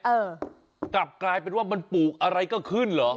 เออกลับกลายเป็นว่ามันปลูกอะไรก็ขึ้นเหรอ